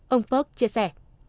ông phước chia sẻ